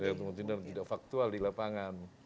yang masih tumpang tindih dan tidak faktual di lapangan